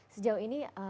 sejauh ini tantangan apa